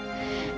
jadi aku arus aja